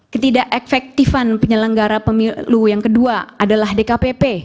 ketidak efektifan penyelenggara pemilu yang kedua adalah dkpp